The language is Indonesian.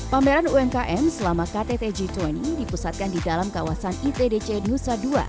pameran umkm selama ktt g dua puluh dipusatkan di dalam kawasan itdc nusa dua